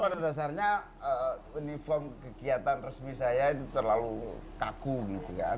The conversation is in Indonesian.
karena pada dasarnya uniform kegiatan resmi saya itu terlalu kaku gitu kan